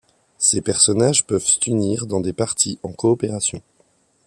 Ces personnages peuvent s'unir dans des parties en coopération.